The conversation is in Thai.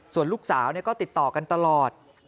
ส่วนลูกสาวก็ติดต่อกันตลอด